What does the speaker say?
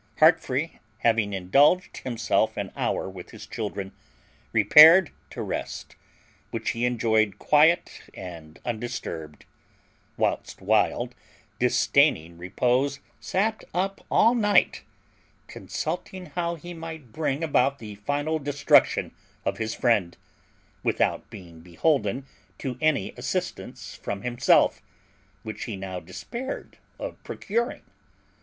Heartfree, having indulged himself an hour with his children, repaired to rest, which he enjoyed quiet and undisturbed; whilst Wild, disdaining repose, sat up all night, consulting how he might bring about the final destruction of his friend, without being beholden to any assistance from himself, which he now despaired of procuring.